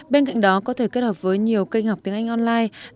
bên cạnh đó có thể kết hợp với nhiều kênh học tiếng anh online